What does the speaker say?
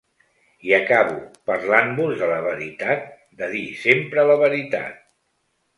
I acabo parlant-vos de la veritat, de dir sempre la veritat.